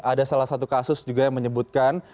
ada salah satu kasus juga yang menyebutkan